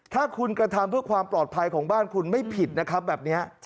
ถ้าคุณกระทำเพื่อความปลอดภัยของบ้านคุณไม่ผิดนะครับแบบนี้